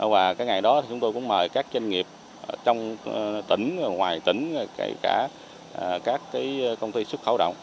và cái ngày đó thì chúng tôi cũng mời các doanh nghiệp trong tỉnh ngoài tỉnh kể cả các công ty xuất khẩu động